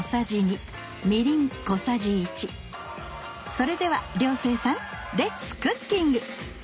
それでは涼星さんレッツクッキング！